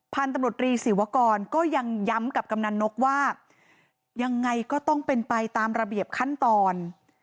พันธุ์ตำรวจรีศิวกรก็ยังย้ำกับกำนันนกว่ายังไงก็ต้องเป็นไปตามระเบียบขั้นตอน